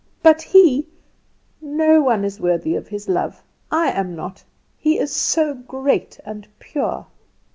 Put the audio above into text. But he no one is worthy of his love. I am not. It is so great and pure."